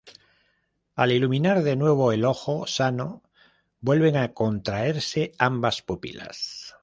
Al iluminar de nuevo el ojo sano, vuelven a contraerse ambas pupilas.